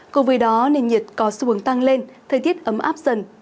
cùng với đó nền nhiệt có xu hướng tăng lên thời tiết ấm áp dần